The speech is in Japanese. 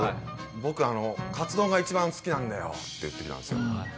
「僕カツ丼が一番好きなんだよ」って言ってきたんですよ。